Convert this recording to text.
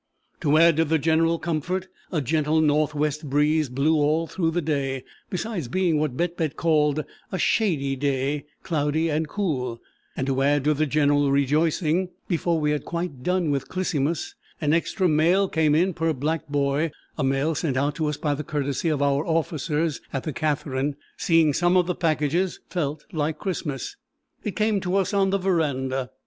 To add to the general comfort, a gentle north west breeze blew all through the day, besides being what Bett Bett called a "shady day," cloudy and cool; and to add to the general rejoicing, before we had quite done with "Clisymus" an extra mail came in per black boy—a mail sent out to us by the "courtesy of our officers" at the Katherine, "seeing some of the packages felt like Christmas." It came to us on the verandah.